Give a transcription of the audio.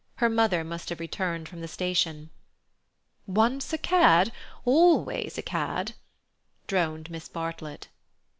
Her mother must have returned from the station. "Once a cad, always a cad," droned Miss Bartlett.